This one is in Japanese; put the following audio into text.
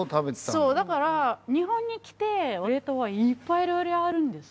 そうだから日本に来て冷凍はいっぱい色々あるんです。